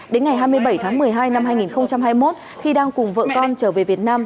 đến ngày hai mươi bảy tháng một mươi hai năm hai nghìn hai mươi một khi đang cùng vợ con trở về việt nam